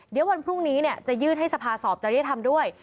เดี๋ยววันพรุ่งนี้จะยื่นให้สภาสอบจริยธรรมด้วย